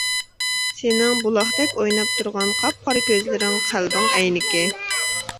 سېنىڭ بۇلاقتەك ئويناپ تۇرغان قاپقارا كۆزلىرىڭ قەلبىڭ ئەينىكى!